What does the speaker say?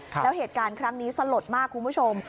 แล้วเหตุการณ์ครั้งนี้สลดมากคุณผู้ชม